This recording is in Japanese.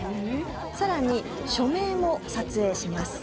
更に署名も撮影します。